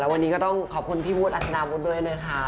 วันนี้ก็ต้องขอบคุณพี่วุฒิอัศนาวุฒิด้วยนะคะ